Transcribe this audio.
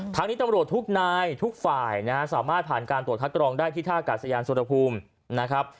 ทั้งนี้ตำรวจทุกนายทุกฝ่ายนะฮะสามารถผ่านการตรวจคัดกรองได้ที่ท่ากาศยานสุรภูมินะครับ